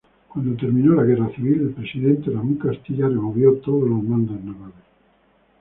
Cuando terminó la guerra civil, el Presidente Ramón Castilla removió todos los mandos navales.